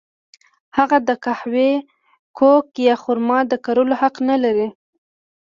هغه د قهوې، کوکو یا خرما د کرلو حق نه لري.